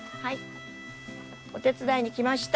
お手伝いに来ました。